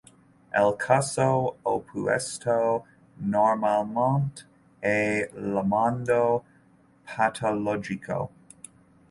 El caso opuesto normalmente es llamado patológico.